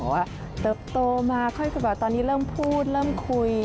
ว่าเติบโตมาค่อยแบบตอนนี้เริ่มพูดเริ่มคุย